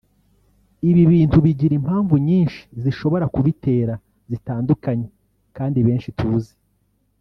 Ibi bintu bigira impamvu nyinshi zishobora kubitera zitandukanye kandi benshi tuzi